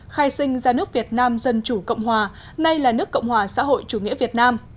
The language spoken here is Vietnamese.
khai sinh ra nước việt nam dân chủ cộng hòa nay là nước cộng hòa xã hội chủ nghĩa việt nam